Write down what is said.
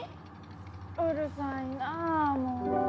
うるさいなあもう。